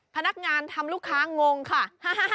พนักงานทำลูกค้างงค่ะ